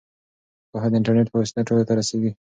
پوهه د انټرنیټ په وسیله ټولو ته رسیږي.